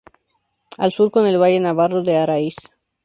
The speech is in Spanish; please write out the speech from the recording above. Al sur con el valle navarro de Araiz.